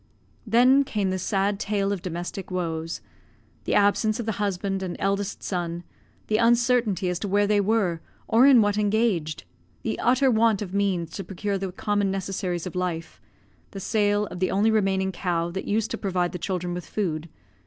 Then came the sad tale of domestic woes: the absence of the husband and eldest son; the uncertainty as to where they were, or in what engaged; the utter want of means to procure the common necessaries of life; the sale of the only remaining cow that used to provide the children with food.